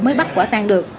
mới bắt quả tang được